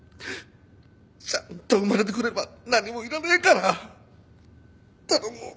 ちゃんと生まれてくれば何も要らねえから。